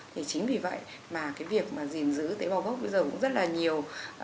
thì chính vì vậy mà cái việc mà gìn giữ tế bào gốc bây giờ cũng rất là nhiều